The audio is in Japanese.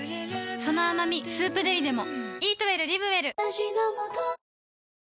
その甘み「スープデリ」でも